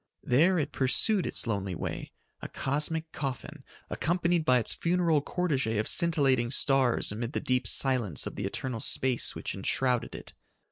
There it pursued its lonely way, a cosmic coffin, accompanied by its funeral cortege of scintillating stars amid the deep silence of the eternal space which enshrouded it.